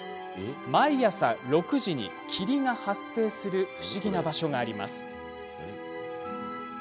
毎朝６時に霧が発生する不思議な場所があります。